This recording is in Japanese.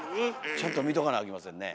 ちゃんと見とかなあきませんね。